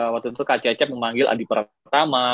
waktu itu kak cecep memanggil adi pratama